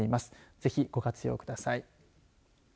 ぜひ、ご活用ください。